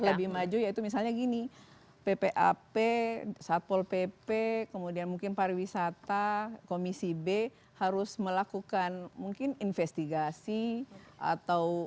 lebih maju yaitu misalnya gini ppap satpol pp kemudian mungkin pariwisata komisi b harus melakukan mungkin investigasi atau